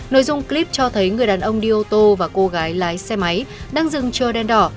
nội dung clip cho thấy người đàn ông đi ô tô và cô gái lái xe máy đang dừng chờ đèn đỏ